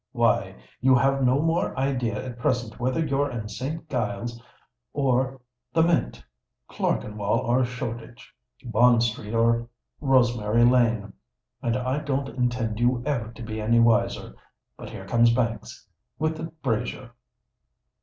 Why—you have no more idea at present whether you're in Saint Giles's or the Mint—Clerkenwell or Shoreditch—Bond Street or Rosemary Lane;—and I don't intend you ever to be any wiser. But here comes Banks, with the brazier."